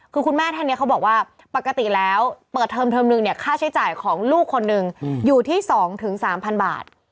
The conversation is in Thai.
คือคุณแม่ท่านนี้เขาบอกว่าปกติแล้วเปิดเทอมนึงเนี่ยค่าใช้จ่ายของลูกคนหนึ่งอยู่ที่๒๓๐๐บาท